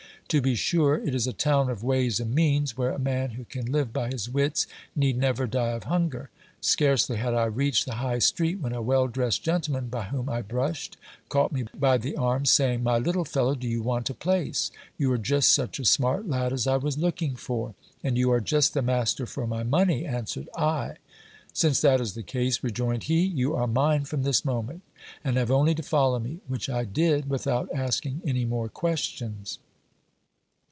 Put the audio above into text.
To be sure, it is a town of ways and rieans, where a man who can live by his wits need never die of hunger. Scarcely had I reached the high street, when a well dressed gentleman by whom I brushed, caught me by the arm, saying : My little fellow, do you want a place ? You are just such a smart lad as I was looking for. And you are just the master for my money, answered I. Since that is the case, rejoined he, you are mine from this moment, and have only to follow me, which I did without asking any more questions.